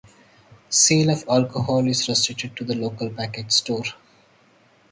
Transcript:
Sale of alcohol is restricted to the local package store.